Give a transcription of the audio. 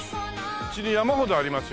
うちに山ほどあります